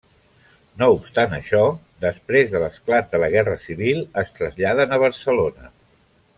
No obstant això, després de l'esclat de la Guerra Civil es traslladen a Barcelona.